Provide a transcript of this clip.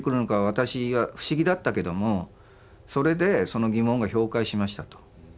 私は不思議だったけどもそれでその疑問が氷解しました」と。